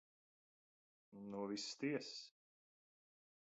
No visas tiesas.